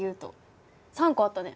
３個あったね。